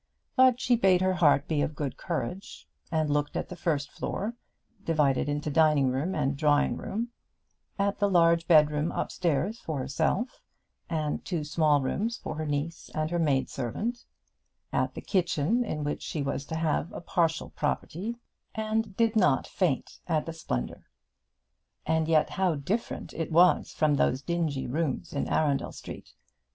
But she bade her heart be of good courage, and looked at the first floor divided into dining room and drawing room at the large bedroom upstairs for herself, and two small rooms for her niece and her maid servant at the kitchen in which she was to have a partial property, and did not faint at the splendour. And yet how different it was from those dingy rooms in Arundel Street!